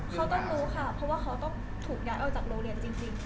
เขาต้องรู้ค่ะเพราะว่าเขาต้องถูกย้ายออกจากโรงเรียนจริง